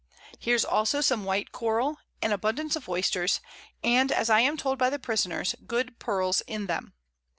Here's also some white Coral, and abundance of Oysters, and as I am told by the Prisoners, good Pearls in them.